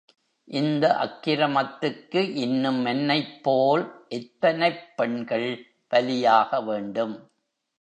இந்த அக்கிரமத்துக்கு இன்னும் என்னைப் போல் எத்தனைப் பெண்கள் பலியாகவேண்டும்?